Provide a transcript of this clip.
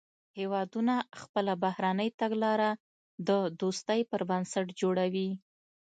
هیوادونه خپله بهرنۍ تګلاره د دوستۍ پر بنسټ جوړوي